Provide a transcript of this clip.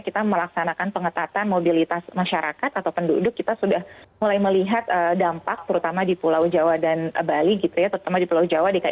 kita melaksanakan pengetatan mobilitas masyarakat atau penduduk kita sudah mulai melihat dampak terutama di pulau jawa dan bali gitu ya terutama di pulau jawa